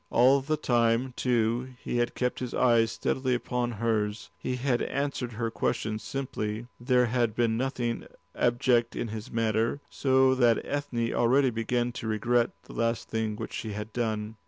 All the time, too, he had kept his eyes steadily upon hers, he had answered her questions simply, there had been nothing abject in his manner; so that Ethne already began to regret this last thing which she had done.